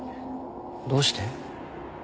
どうして？